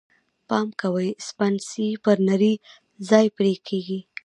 پام کوئ! سپڼسی پر نري ځای پرې کېږي.